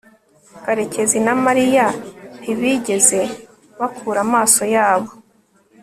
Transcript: karekezi na mariya ntibigeze bakura amaso yabo